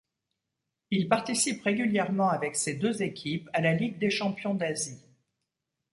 Il participe régulièrement avec ces deux équipes à la Ligue des champions d'Asie.